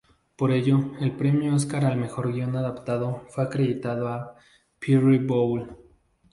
Por ello, el premio Óscar al mejor guion adaptado fue acreditado a Pierre Boulle.